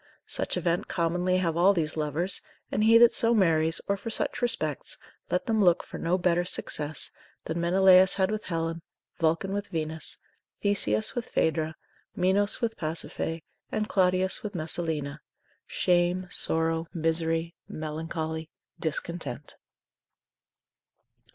Such event commonly have all these lovers; and he that so marries, or for such respects, let them look for no better success than Menelaus had with Helen, Vulcan with Venus, Theseus with Phaedra, Minos with Pasiphae, and Claudius with Messalina; shame, sorrow, misery, melancholy, discontent.